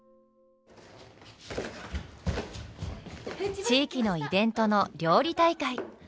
やっぱ地域のイベントの料理大会。